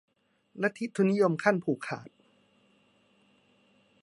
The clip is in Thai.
ลัทธิทุนนิยมขั้นผูกขาด